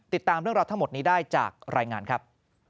ติดตามเรื่องราวทั้งหมดนี้ได้จากรายงานครับ